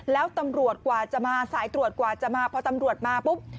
แล้วตำรวจกว่าจะมาสายตรวจกว่าจะมาพอตำรวจมาปุ๊บ